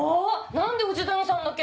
何で藤谷さんだけ！